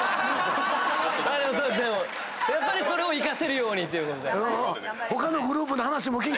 やっぱりそれを生かせるようにっていうことで。